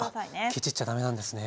ケチっちゃ駄目なんですね。